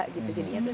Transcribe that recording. gak ada gitu